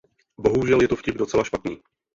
Bohužel je to vtip docela špatný.